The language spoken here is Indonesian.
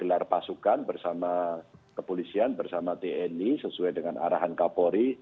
gelar pasukan bersama kepolisian bersama tni sesuai dengan arahan kapolri